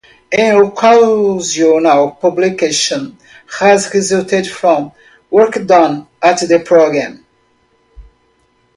An occasional publication has resulted from work done at the program.